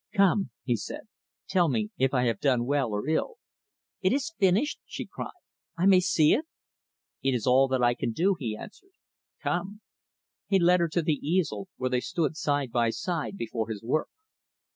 "Come," he said, "tell me if I have done well or ill." "It is finished?" she cried. "I may see it?" "It is all that I can do" he answered "come." He led her to the easel, where they stood side by side before his work.